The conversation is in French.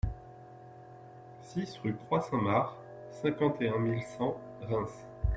six rue Croix Saint-Marc, cinquante et un mille cent Reims